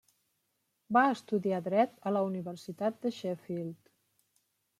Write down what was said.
Va estudiar Dret a la Universitat de Sheffield.